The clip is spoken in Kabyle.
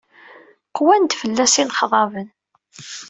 Qwan-d fell-as yinexḍaben.